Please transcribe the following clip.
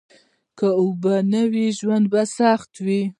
که اوبه نه وي ژوند سخت دي